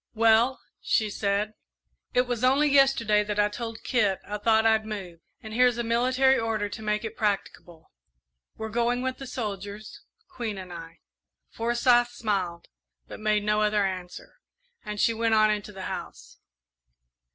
"Well," she said, "it was only yesterday that I told Kit I thought I'd move, and here's a military order to make it practicable. We're going with the soldiers Queen and I." Forsyth smiled, but made no other answer, and she went on into the house.